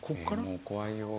もう怖いよ。